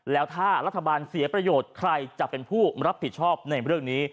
แล้วถ้ารัฐบาลเสียประโยชน์ใครจะเป็นผู้รับผิดชอบในเรื่องนี้